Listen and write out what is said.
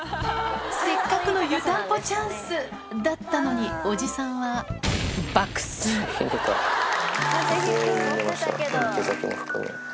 せっかくの湯たんぽチャンスだったのにおじさんは全員寝ました池崎も含め。